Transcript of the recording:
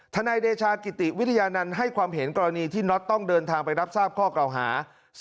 นายเดชากิติวิทยานันต์ให้ความเห็นกรณีที่น็อตต้องเดินทางไปรับทราบข้อเก่าหา